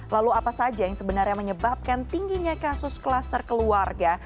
lalu apa saja yang sebenarnya menyebabkan tingginya kasus klaster keluarga